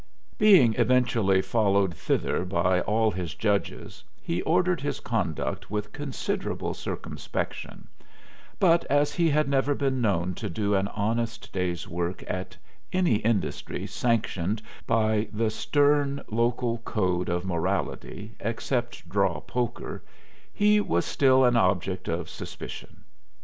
Being eventually followed thither by all his judges, he ordered his conduct with considerable circumspection, but as he had never been known to do an honest day's work at any industry sanctioned by the stern local code of morality except draw poker he was still an object of suspicion.